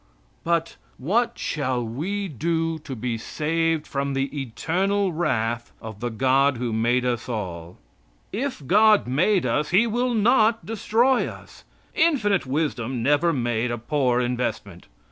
But "What shall we do to be saved from the eternal wrath of the God who made us all?" If God made us, He will not destroy us. Infinite wisdom never made a poor investment.